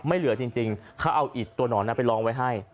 ไม่เหลือจริงข้าเอาอิฐตัวหนอนนั้นไปลองไว้ให้